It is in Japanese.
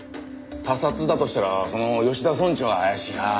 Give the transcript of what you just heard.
他殺だとしたらその吉田村長が怪しいな。